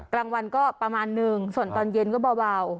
กลางวันก็ประมาณนึงส่วนตอนเย็นก็เบา